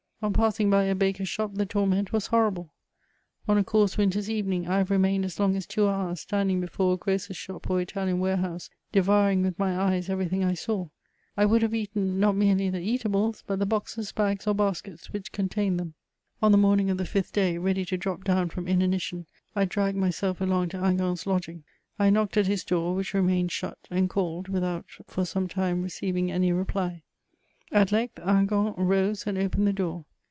On passing by a hak»*s shc^, the torment was homble. On a coarse wioter^s evemng, I have remained as long as two hoars stan^mg befofe a giooer's shop or Italian warehoose, devouring widi my eyes eveiy thing I saw; 1 would have eaten, not merdy the eatables^ but the boxes, bags, or boi^ets which contained them. On the m<»ii ing of the fifth day, ready to drop down from inanition^ I dragged myself along to Hingant*s lodgii^ ; I knodced at bos door, which remained shut, and called, witiboot for some time rec^ving any reply ; at length Hingant loee and opened the door.